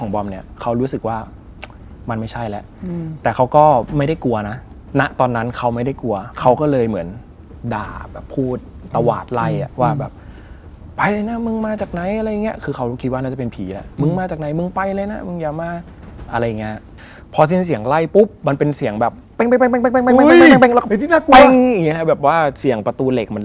บอมเชื่อเรื่องผีกี่เปอร์เซ็นต์